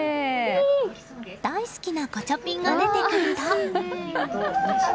大好きなガチャピンが出てくると。